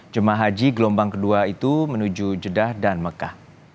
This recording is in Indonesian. jum ah haji gelombang ke dua itu menuju jeddah dan mekah